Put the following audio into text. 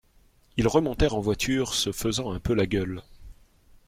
Ils remontèrent en voiture, se faisant un peu la gueule.